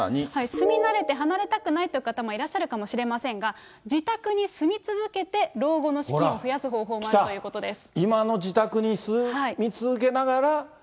住み慣れて離れたくないという方もいらっしゃるかもしれませんが、自宅に住み続けて老後の資金を増やす方法もあるということです。